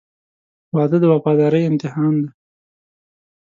• واده د وفادارۍ امتحان دی.